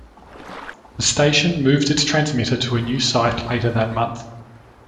The station moved its transmitter to a new site later that month.